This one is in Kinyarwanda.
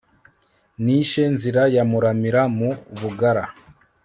nishe nzira ya muramira mu bugara